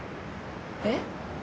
えっ？